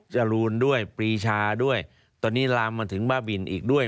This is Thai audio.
จรูนด้วยปรีชาด้วยตอนนี้ลามมาถึงบ้าบินอีกด้วย